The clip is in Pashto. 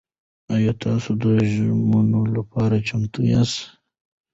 ایا تاسو د ژمنو لپاره چمتو یاست؟